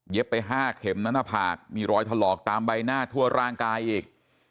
ไป๕เข็มนะหน้าผากมีรอยถลอกตามใบหน้าทั่วร่างกายอีก